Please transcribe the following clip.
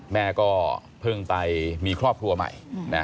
แม่ก็เพิ่งไปมีครอบครัวใหม่